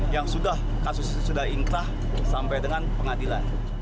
yang sudah kasusnya sudah inkrah sampai dengan pengadilan